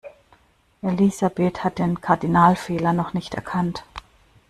Elisabeth hat den Kardinalfehler noch nicht erkannt.